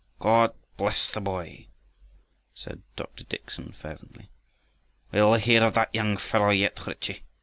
"God bless the boy!" said Dr. Dickson fervently. "We'll hear of that young fellow yet, Ritchie.